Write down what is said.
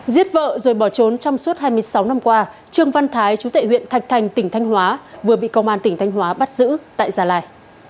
giết vợ rồi bỏ trốn trong suốt hai mươi sáu năm qua trương văn thái chú tệ huyện thạch thành tỉnh thanh hóa vừa bị công an tỉnh thanh hóa bắt giữ tại gia lai